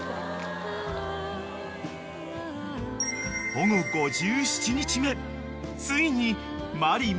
［保護５７日目ついに］